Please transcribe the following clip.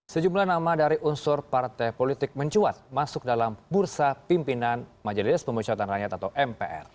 sejumlah nama dari unsur partai politik mencuat masuk dalam bursa pimpinan majelis pemusatan rakyat atau mpr